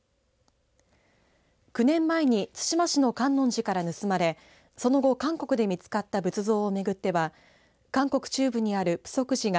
９年前に対馬市の観音寺から盗まれその後、韓国で見つかった仏像をめぐっては韓国中部にあるプソク寺が